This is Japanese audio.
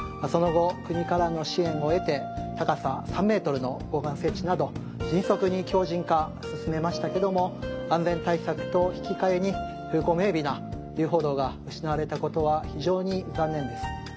その後国からの支援を得て高さ３メートルの護岸設置など迅速に強靱化を進めましたけども安全対策と引き換えに風光明媚な遊歩道が失われた事は非常に残念です。